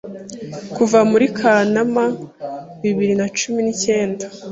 kuva muri Kanama bibiri na cumi nicyenda